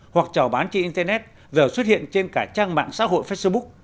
hoặc trào bán trên internet giờ xuất hiện trên cả trang mạng xã hội facebook